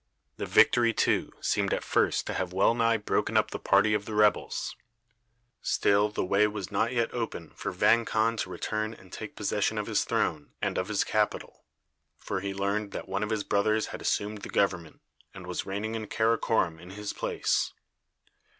The victory, too, seemed at first to have well nigh broken up the party of the rebels. Still, the way was not yet open for Vang Khan to return and take possession of his throne and of his capital, for he learned that one of his brothers had assumed the government, and was reigning in Karakorom in his place.